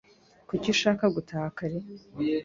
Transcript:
Kuki ushaka gutaha kare?